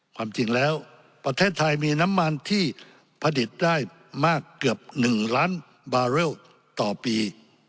ความจริงแล้วประเทศไทยมีน้ำมันที่ผลิตได้มากเกือบ๑ล้านบาเรลต่อปี